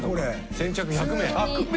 先着１００名。